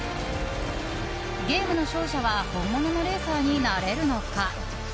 ゲームの勝者は本物のレーサーになれるのか？